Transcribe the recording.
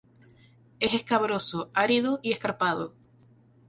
Es escabroso, árido y escarpado.